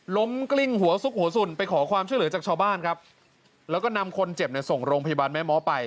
กลิ้งหัวซุกหัวสุ่นไปขอความช่วยเหลือจากชาวบ้านครับแล้วก็นำคนเจ็บเนี่ยส่งโรงพยาบาลแม่ม้อไป